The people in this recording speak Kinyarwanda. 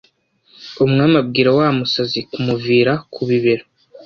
Umwami abwira wa musazi kumuvira kubibero